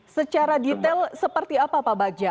secara detail seperti apa pak bagja